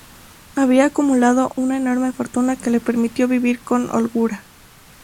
Había acumulado una enorme fortuna que le permitió vivir con holgura.